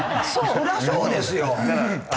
そりゃそうですよ！